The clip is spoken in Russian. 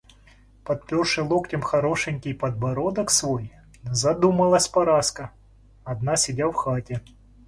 Подперши локтем хорошенький подбородок свой, задумалась Параска, одна сидя в хате.